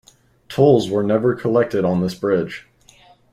Tolls were never collected on this bridge.